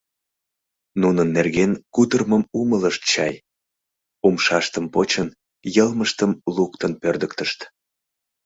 Нунын нерген кутырымым умылышт чай: умшаштым почын, йылмыштым луктын пӧрдыктышт.